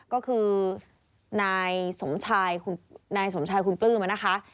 ก็คือนายสมชายคุณปลื้มนะคะ